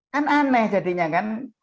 kan aneh jadinya kan